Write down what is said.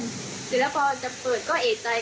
เสร็จแล้วพอจะเปิดก็เอกใจ